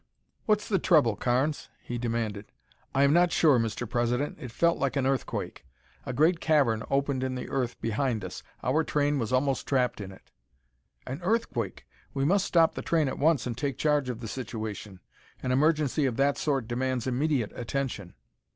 "What's the trouble, Carnes?" he demanded. "I am not sure, Mr. President. It felt like an earthquake. A great cavern opened in the earth behind us. Our train was almost trapped in it." "An earthquake! We must stop the train at once and take charge of the situation. An emergency of that sort demands immediate attention."